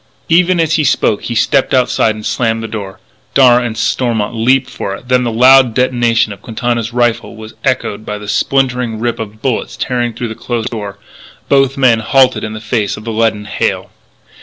Even as he spoke he stepped outside and slammed the door; and Darragh and Stormont leaped for it. Then the loud detonation of Quintana's rifle was echoed by the splintering rip of bullets tearing through the closed door; and both men halted in the face of the leaden hail.